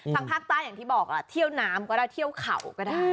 ภาคใต้อย่างที่บอกเที่ยวน้ำก็ได้เที่ยวเขาก็ได้